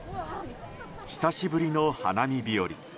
久しぶりの花見日和。